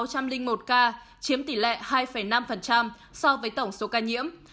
chiếm tỷ lệ hai năm so với tổng số ca nhiễm